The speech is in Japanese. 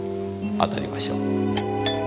当たりましょう。